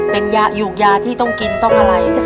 เป็นยาหยูกยาที่ต้องกินต้องอะไร